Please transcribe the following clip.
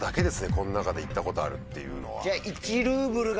こん中で行ったことあるっていうのは。